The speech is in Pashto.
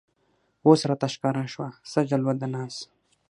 اوس راته ښکاره شوه څه جلوه د ناز